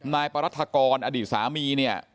นายปรัฐกรอดีตสามีเนี่ย